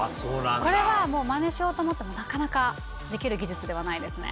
これはもうマネしようと思ってもなかなかできる技術ではないですね。